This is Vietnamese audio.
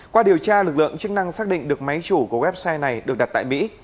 qua điều tra lực lượng chức năng xác định được máy chủ của website này được đặt tại mỹ